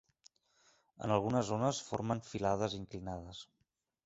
En algunes zones formen filades inclinades.